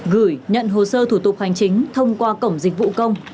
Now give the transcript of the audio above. gửi nhận hồ sơ thủ tục hành chính thông qua cổng dịch vụ công